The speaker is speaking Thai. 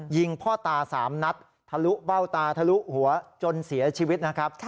ยิงพ่อตา๓นัดทะลุเบ้าตาทะลุหัวจนเสียชีวิตนะครับ